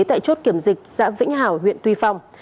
tại chốt kiểm dịch xã vĩnh hảo huyện tuy phong